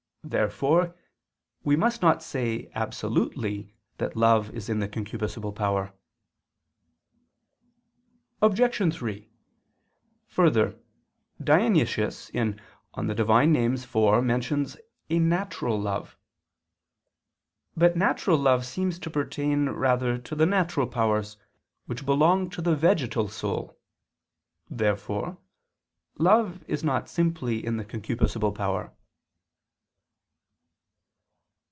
Therefore we must not say absolutely that love is in the concupiscible power. Obj. 3: Further, Dionysius (Div. Nom. iv) mentions a "natural love." But natural love seems to pertain rather to the natural powers, which belong to the vegetal soul. Therefore love is not simply in the concupiscible power.